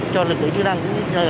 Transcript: cho lực lượng chức năng